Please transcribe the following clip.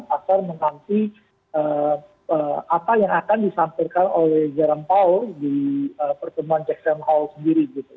pasar menanti apa yang akan disampaikan oleh jerome powell di pertemuan jackson hall sendiri gitu